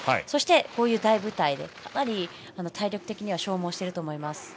そしてこういう大舞台で体力的には消耗していると思います。